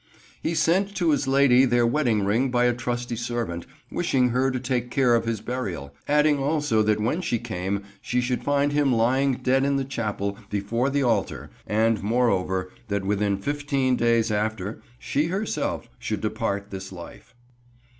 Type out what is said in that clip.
"He sent to his Lady their Wedding Ring by a trusty servant, wishing her to take care of his burial; adding also that when she came, she should find him lying dead in the Chapel, before the altar, and moreover, that within xv dayes after, she herself should depart this life."